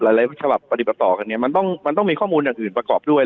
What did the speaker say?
หลายฉบับปฏิบัติต่อกันเนี่ยมันต้องมันต้องมีข้อมูลอย่างอื่นประกอบด้วย